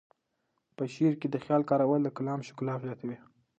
په شعر کې د خیال کارول د کلام ښکلا زیاتوي.